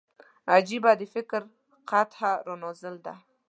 عجيبه د فکر قحط را نازل دی